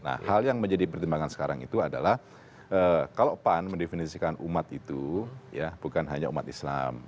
nah hal yang menjadi pertimbangan sekarang itu adalah kalau pan mendefinisikan umat itu ya bukan hanya umat islam